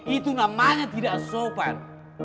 itu namanya tidak sopan